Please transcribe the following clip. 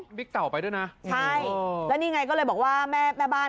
บิ๊กเต่าไปด้วยนะใช่แล้วนี่ไงก็เลยบอกว่าแม่แม่บ้าน